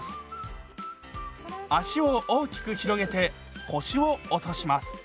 足を大きく広げて腰を落とします。